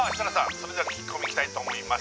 それでは聞き込みいきたいと思います